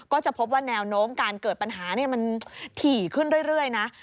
ก็จะพบว่าแนวโน้มการเกิดปัญหามันถี่ขึ้นเรื่อยนะ